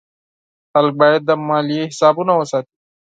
خلک باید د مالیې حسابونه وساتي.